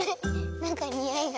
なんかにおいがする。